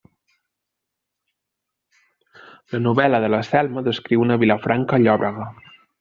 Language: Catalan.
La novel·la de la Selma descriu una Vilafranca llòbrega.